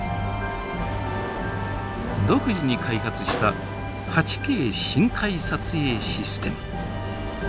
独自に開発した８Ｋ深海撮影システム。